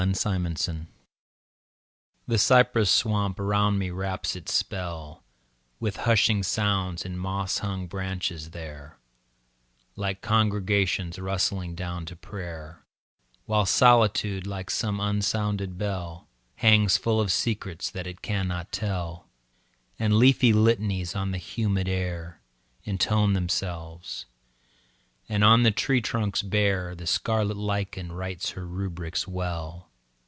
Y Z Down the Bayou THE cypress swamp around me wraps its spell, With hushing sounds in moss hung branches there, Like congregations rustling down to prayer, While Solitude, like some unsounded bell, Hangs full of secrets that it cannot tell, And leafy litanies on the humid air Intone themselves, and on the tree trunks bare The scarlet lichen writes her rubrics well.